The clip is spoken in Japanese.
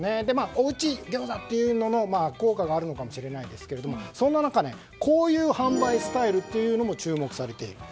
おうち餃子っていうのの効果があるのかもしれないがそんな中こういう販売スタイルも注目されています。